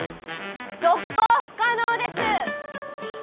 続行不可能ですはあ？